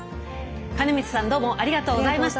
金光さんどうもありがとうございました。